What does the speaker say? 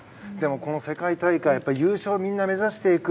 この世界大会優勝をみんな、目指していく。